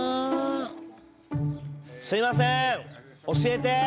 すいません教えて。